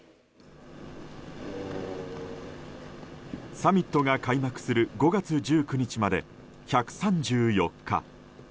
サミットが開幕する５月１９日まで１３４日。